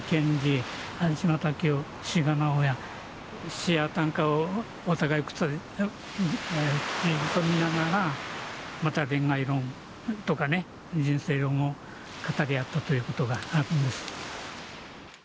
詩や短歌をお互い口ずさみながらまた恋愛論とかね人生論を語り合ったということがあります。